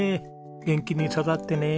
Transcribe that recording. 元気に育ってね。